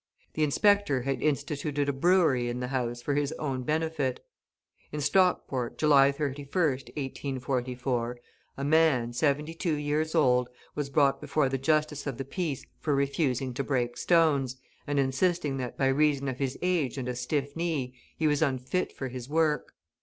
The inspector had instituted a brewery in the house for his own benefit. In Stockport, July 31st, 1844, a man, seventy two years old, was brought before the Justice of the Peace for refusing to break stones, and insisting that, by reason of his age and a stiff knee, he was unfit for his work.